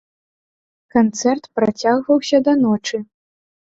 Канцэрт працягваўся да ночы.